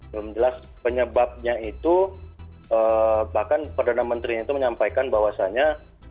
belum jelas penyebabnya itu bahkan perdana menterinya itu menyampaikan bahwasannya